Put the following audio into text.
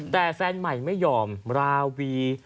แต่แฟนใหม่ไม่ยอมราวี